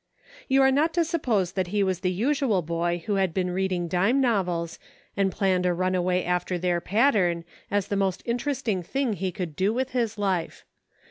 You are not to suppose that he was the usual boy who had been reading dime novels, and planned a runaway after their pattern, as the most interest ing thing he could do with his life.